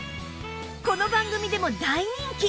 この番組でも大人気！